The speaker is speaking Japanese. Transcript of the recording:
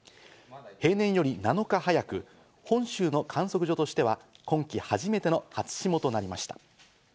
平年より７日早く、本州の観測所としては今季、初めての初霜となりました。